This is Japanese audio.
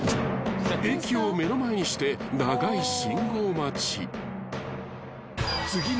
［駅を目の前にして長い信号待ち］